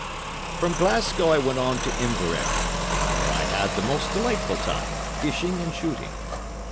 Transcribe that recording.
From Glasgow I went on to Inverary, where I had the most delightful time, fishing and shooting.